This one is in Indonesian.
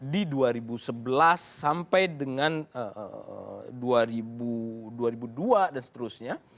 di dua ribu sebelas sampai dengan dua ribu dua dan seterusnya